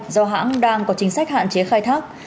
do hãng đang có chính sách hạn chế khai thác